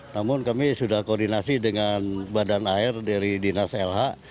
namun kami sudah koordinasi dengan badan air dari dinas lh